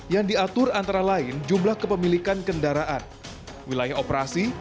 yang diatur antara lain jumlah kepemilikan kendaraan wilayah operasi